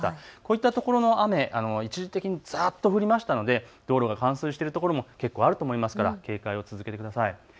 こういったところの雨、一時的にざっと降ったので道路が冠水しているところも結構あると思うので警戒を続けてください。